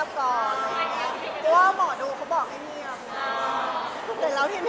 ก็ว่าหมอดูเขาบอกให้เงียบ